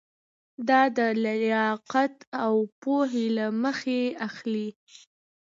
دا د لیاقت او پوهې له مخې اخلي.